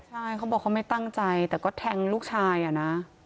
ใช่เขาบอกเขาไม่ตั้งใจแต่ก็แทงลูกชายอะนะ